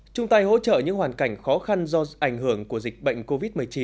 chúng ta hỗ trợ những hoàn cảnh khó khăn do ảnh hưởng của dịch bệnh covid một mươi chín